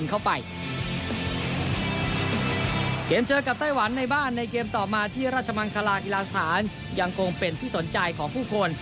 เกมต่อมาที่ราชมังคลาอิลาสถานยังคงเป็นที่สนใจของผู้คน